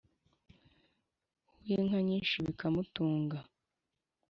uw'inka nyinshi bikamutunga